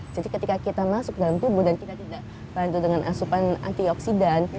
jadi ketika kita masuk ke dalam tubuh dan kita tidak bantu dengan asupan antioksidan